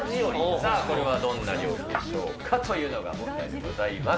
さあこれはどんな料理でしょうかというのが問題でございます。